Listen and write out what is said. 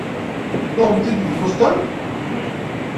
Tuɣemt-t-id deg Boston?